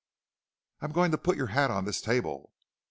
"I'm going to put your hat on this table.